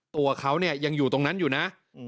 ตัวเขาเนี่ยยังอยู่ตรงนั้นอยู่นะ